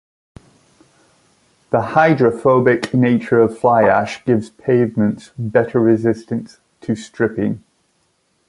The hydrophobic nature of fly ash gives pavements better resistance to stripping.